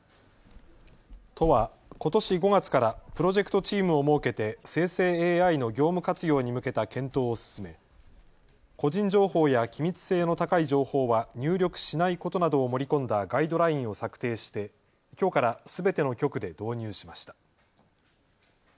都はことし５月からプロジェクトチームを設けて生成ＡＩの業務活用に向けた検討を進め個人情報や機密性の高い情報は入力しないことなどを盛り込んだガイドラインを策定してきょうからすべての局で導入しました。